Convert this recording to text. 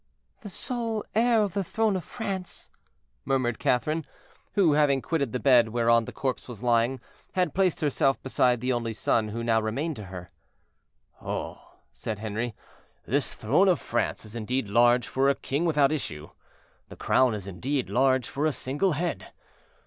"The sole heir of the throne of France," murmured Catherine, who, having quitted the bed whereon the corpse was lying, had placed herself beside the only son who now remained to her. "Oh!" said Henri, "this throne of France is indeed large for a king without issue; the crown is indeed large for a single head.